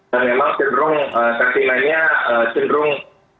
dan memang cenderung saya sih nanya cenderung